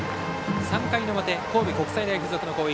３回の表、神戸国際大付属の攻撃。